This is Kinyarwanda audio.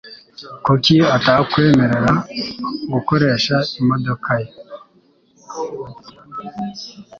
Kuki atakwemerera gukoresha imodoka ye?